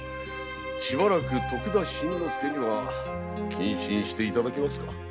しばらく徳田新之助には謹慎していただきますか。